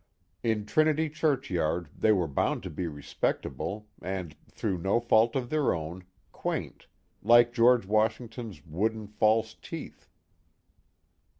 In Trinity churchyard they were bound to be respectable and, through no fault of their own, quaint, like George Washington's wooden false teeth.